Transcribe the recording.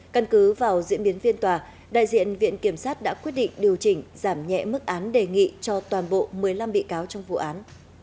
căn cứ vào diễn biến phiên tòa đại diện viện kiểm sát đã quyết định điều chỉnh giảm nhẹ mức án đề nghị cho toàn bộ một mươi năm bị cáo trong vụ án